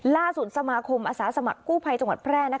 ล่าสุดสมาคมอาสาสมัครกู้ภัยจังหวัดแพร่